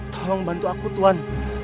tolong bantu aku tuhan